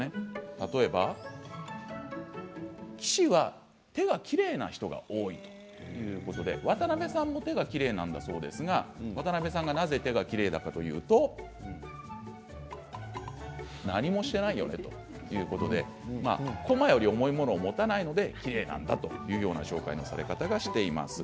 例えば、棋士は手がきれいな人が多いということで渡辺さんも手がきれいなんだそうですがなぜ体がきれいかというと何もしてないよねということで駒より重いものを持たないのできれいなんだという紹介のされ方をされています。